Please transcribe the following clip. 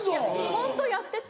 ホントやってて。